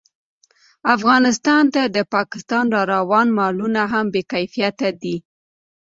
افغانستان ته د پاکستان راروان مالونه هم بې کیفیته دي